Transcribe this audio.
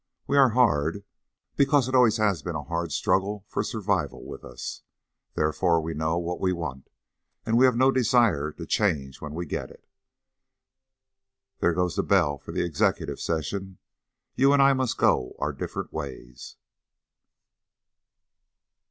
We are hard because it always has been a hard struggle for survival with us. Therefore we know what we want, and we have no desire to change when we get it. There goes the bell for Executive Session. You and I must go our different ways."